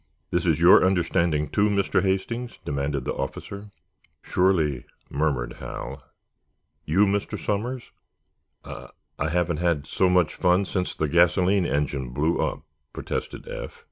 "This is your understanding, too, Mr. Hastings?" demanded the officer. "Surely," murmured Hal. "You, Mr. Somers?" "I—I haven't had so much fun since the gasoline engine blew up," protested Eph.